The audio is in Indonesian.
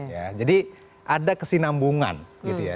ya jadi ada kesinambungan gitu ya